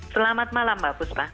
selamat malam mbak pusra